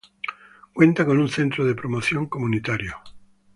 Cuenta con un Centro de Promoción Comunitario.